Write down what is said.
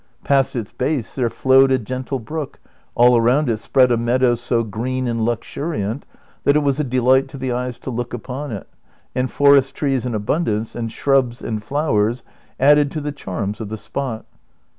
Past its base there flowed a gentle brook, all around it spread a meadow so green and luxuriant that it was a delight to the eyes to look upon it, and forest trees in abixndance, and shrubs and flowers, added to the charms of the spot.